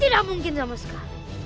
tidak mungkin sama sekali